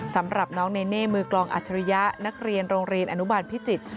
สำหรับน้องเนเน่มือกลองอัจฉริยะนักเรียนโรงเรียนอนุบาลพิจิตร